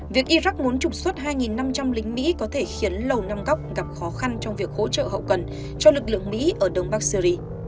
việc iraq muốn trục xuất hai năm trăm linh lính mỹ có thể khiến lầu nam góc gặp khó khăn trong việc hỗ trợ hậu cần cho lực lượng mỹ ở đông bắc syri